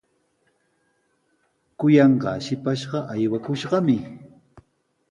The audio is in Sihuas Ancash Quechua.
Kuyanqaa shipashqa aywakushqami.